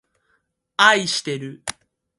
あいしてる